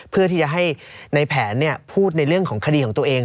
เพื่อที่จะให้ในแผนพูดในเรื่องของคดีของตัวเอง